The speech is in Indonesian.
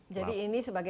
jadi ini sebagai